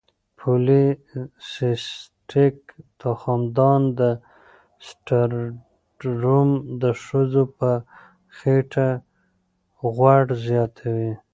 پولی سیسټیک تخمدان سنډروم د ښځو په خېټه غوړ زیاتوي.